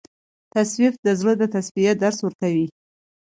تصوف د زړه د تصفیې درس ورکوي.